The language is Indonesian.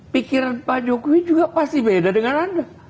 pikiran pak jokowi juga pasti beda dengan anda